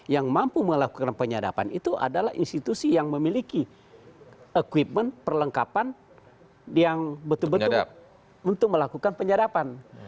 yang mampu melakukan penyadapan itu adalah institusi yang memiliki equipment perlengkapan yang betul betul untuk melakukan penyadapan